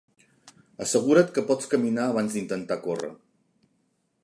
Assegura't que pots caminar abans d'intentar córrer.